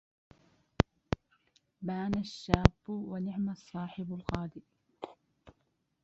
بان الشباب ونعم الصاحب الغادي